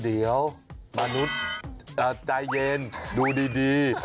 เดี๋ยวมนุษย์ใจเย็นดูดี